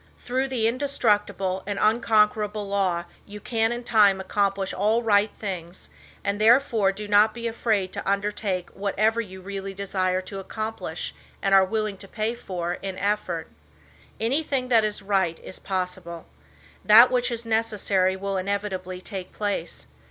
Through the Indestructible and Unconquerable Law you can in time accomplish all right things and therefore do not be afraid to undertake whatever you really desire to accomplish and are willing to pay for in effort. Anything that is right is possible. That which is necessary will inevitably take place.